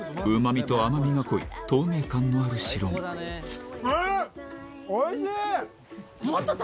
うま味と甘みが濃い透明感のある白身あっ！